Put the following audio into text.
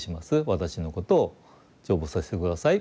私のことを成仏させて下さい。